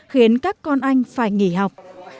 khiến các con anh phải nghỉ học